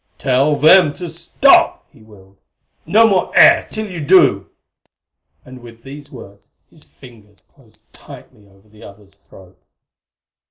"Tell them to stop!" he willed. "No more air till you do!" And with the words his fingers closed tightly over the other's throat.